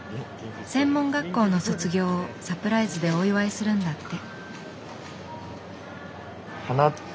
専門学校の卒業をサプライズでお祝いするんだって。